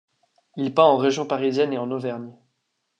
Il peint en région parisienne et en Auvergne.